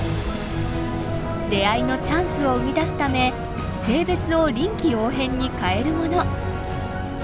出会いのチャンスを生み出すため性別を臨機応変に変えるもの。